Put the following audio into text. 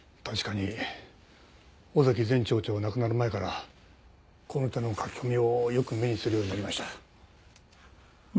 確かに尾崎前町長が亡くなる前からこの手の書き込みをよく目にするようになりました。